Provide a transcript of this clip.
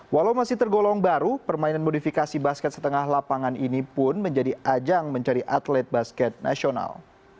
walau masih tergolong baru permainan modifikasi basket setengah lapangan ini pun menjadi ajang mencari atlet basket nasional